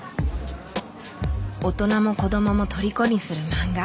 大人も子どももとりこにするマンガ。